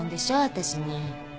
私に。